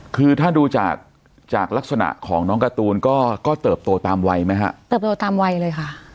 คือถ้าดูจากจากลักษณะของน้องการ์ตูนก็ก็เติบโตตามวัยไหมฮะเติบโตตามวัยเลยค่ะ